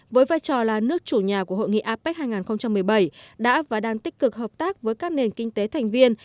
với vai trò là nước chủ nhà của hội nghị apec hai nghìn một mươi bảy đã và đang tích cực hợp tác với các nền kinh tế thành viên